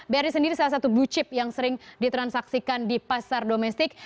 bri sendiri salah satu blue chip yang sering ditransaksikan di pasar domestik